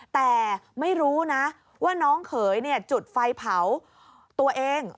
แต่ไม่รู้นะว่าน้องเขยจุดไฟเผาตัวเอง